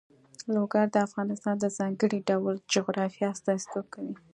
لوگر د افغانستان د ځانګړي ډول جغرافیه استازیتوب کوي.